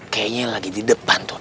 kayaknya lagi di depan tuh